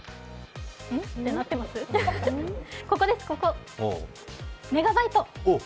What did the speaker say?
ここです、ここ、メガバイト。